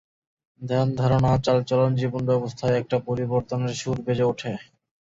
ধ্যান-ধারণা চাল-চলন জীবনব্যবস্থায় একটা পরিবর্তনের সুর বেজে ওঠে।